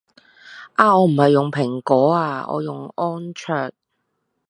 哦我唔係用蘋果啊我用安卓